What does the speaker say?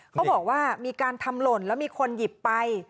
เขาบอกว่ามีการทำหล่นแล้วมีคนหยิบไป